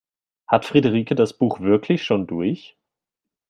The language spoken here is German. Hat Friederike das Buch wirklich schon durch?